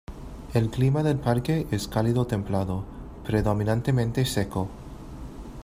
El clima del parque es cálido templado, predominantemente seco.